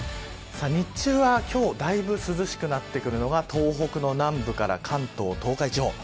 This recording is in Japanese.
日中は、今日だいぶ涼しくなってくるのが東北南部から関東、東海地方。